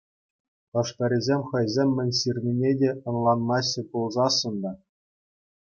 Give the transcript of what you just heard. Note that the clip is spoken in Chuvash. Хӑшпӗрисем хӑйсем мӗн ҫырнине те ӑнланмаҫҫӗ пулсассӑн та.